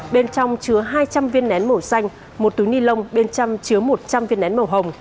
bên trong chứa hai trăm linh viên nén màu xanh một túi ni lông bên trong chứa một trăm linh viên nén màu hồng